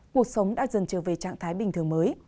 cuộc sống đã dần trở về trạng thái bình thường mới